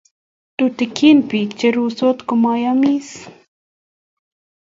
Tuten pik che rutos komayamis